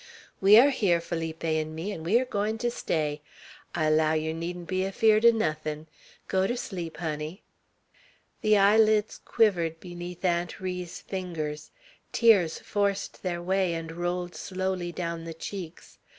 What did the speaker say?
"We air hyar, Feeleepy 'n' me, 'n' we air goin' ter stay. I allow yer needn't be afeerd o' nothin'. Go ter sleep, honey." The eyelids quivered beneath Aunt Ri's fingers. Tears forced their way, and rolled slowly down the cheeks.